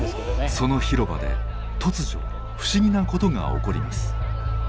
その広場で突如不思議なことが起こります。